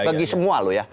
bagi semua loh ya